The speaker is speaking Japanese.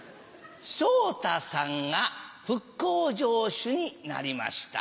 昇太さんが復興城主になりました。